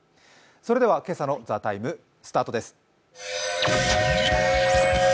それでは今朝の「ＴＨＥＴＩＭＥ，」スタートです。